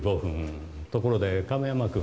ところで亀山君。